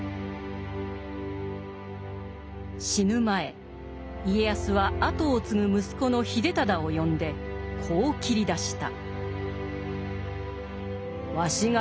死ぬ前家康は後を継ぐ息子の秀忠を呼んでこう切り出した。